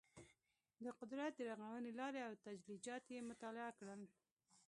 د قدرت د رغونې لارې او تجلیات یې مطالعه کړل.